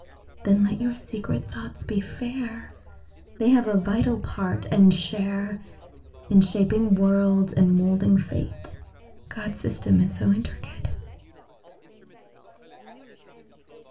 Then let your secret thoughts be fair; They have a vital part and share In shaping worlds and molding fate God's system is so intricate.